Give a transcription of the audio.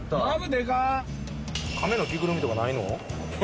亀の着ぐるみとかないの？